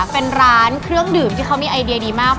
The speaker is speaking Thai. เป็นร้านเครื่องดื่มที่เขามีไอเดียดีมาก